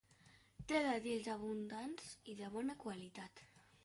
Té dàtils abundants i de bona qualitat.